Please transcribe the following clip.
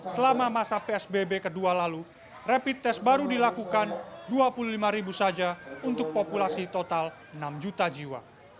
selama masa psbb kedua lalu rapid test baru dilakukan dua puluh lima ribu saja untuk populasi total enam juta jiwa